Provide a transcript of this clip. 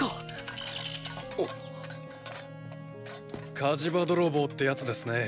火事場泥棒ってやつですね